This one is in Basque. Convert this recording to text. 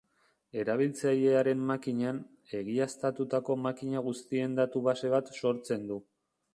Erabiltzailearen makinan, egiaztatutako makina guztien datu-base bat sortzen du.